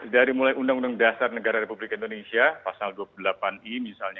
dari mulai undang undang dasar negara republik indonesia pasal dua puluh delapan i misalnya